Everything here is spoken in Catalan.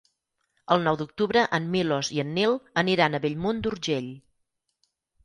El nou d'octubre en Milos i en Nil aniran a Bellmunt d'Urgell.